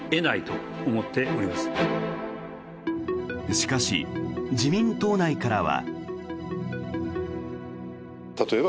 しかし、自民党内からは。